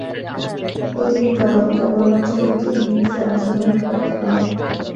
প্রতিটি দল কেবলমাত্র একটি ইনিংসে অংশগ্রহণ করতে পারে।